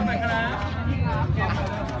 แม่กับผู้วิทยาลัย